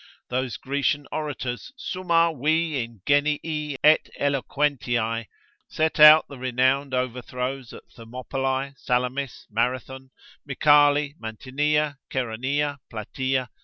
Those Grecian orators, summa vi ingenii et eloquentiae, set out the renowned overthrows at Thermopylae, Salamis, Marathon, Micale, Mantinea, Cheronaea, Plataea.